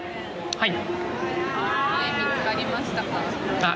はい。